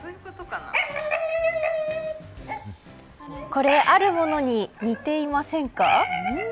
これあるものに似ていませんか。